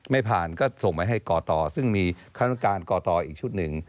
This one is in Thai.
ไม่ผ่านก็ส่งมาให้กรตอซึ่งมีคณะกรรมการกรตออีกชุดหนึ่ง